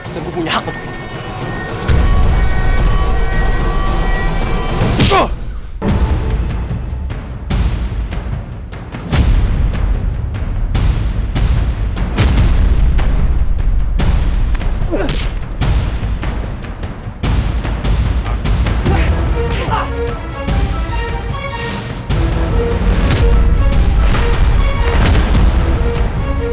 dan gue punya hak untuk itu